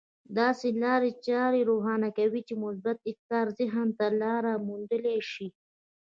داسې لارې چارې روښانه کوي چې مثبت افکار ذهن ته لاره موندلای شي.